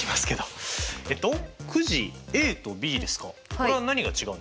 これは何が違うんですか？